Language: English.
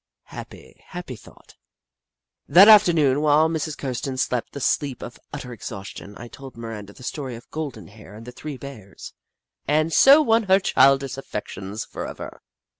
Happy, happy thought ! That afternoon, while Mrs. Kirsten slept the sleep of utter exhaustion, I told Miranda the story of Goldenhair and the Three Bears, and so won her childish affections forever.